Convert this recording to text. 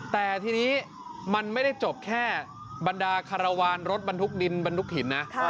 แต่ทีนี้มันไม่ได้จบแค่บรรดาคารวาลรถบรรทุกดินบรรทุกหินนะ